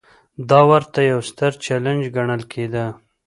دا ورته یو ستر چلنج ګڼل کېده.